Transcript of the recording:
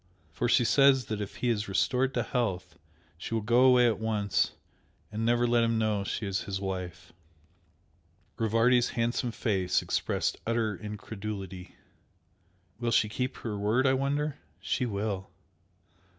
For she says that if he is restored to health she will go away at once and never let him know she is his wife." Rivardi's handsome face expressed utter incredulity. "Will she keep her word I wonder?" "She will!"